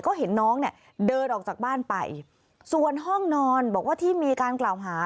ก็เห็นน้องเนี่ยเดินออกจากบ้านไปส่วนห้องนอนบอกว่าที่มีการกล่าวหา